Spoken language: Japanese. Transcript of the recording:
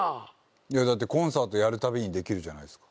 いやだってコンサートやるたびにできるじゃないですか。